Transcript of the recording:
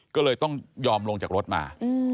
ก็เลยต้องยอมลงจากรถมา